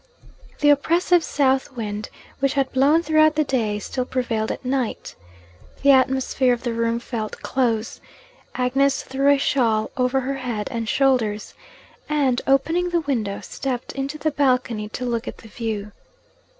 The oppressive south wind, which had blown throughout the day, still prevailed at night. The atmosphere of the room felt close; Agnes threw a shawl over her head and shoulders, and, opening the window, stepped into the balcony to look at the view.